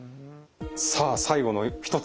さあ最後の一つ。